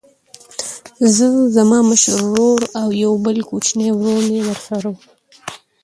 زه زما مشر ورور او یو بل کوچنی ورور مې ورسره و